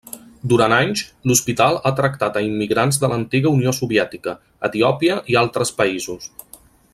Durant anys, l'hospital ha tractat a immigrants de l'antiga Unió Soviètica, Etiòpia i altres països.